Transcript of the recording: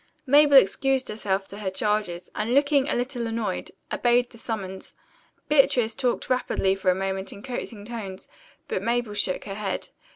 Mabel excused herself to her charges, and looking a little annoyed, obeyed the summons. Beatrice talked rapidly for a moment in coaxing tones, but Mabel shook her head.